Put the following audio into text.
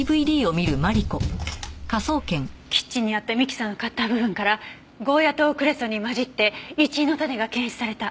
キッチンにあったミキサーのカッター部分からゴーヤとクレソンに混じってイチイの種が検出された。